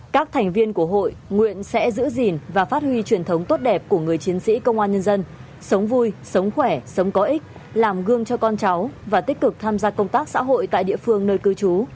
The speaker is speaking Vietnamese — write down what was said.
các thành viên của hội nguyện sẽ giữ gìn và phát huy truyền thống tốt đẹp của người chiến sĩ công an nhân dân sống vui sống khỏe sống có ích làm gương cho con cháu và tích cực tham gia công tác xã hội tại địa phương nơi cư trú